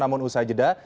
namun usaha jeda